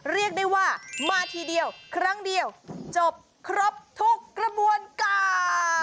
เรียกได้ว่ามาทีเดียวครั้งเดียวจบครบทุกกระบวนการ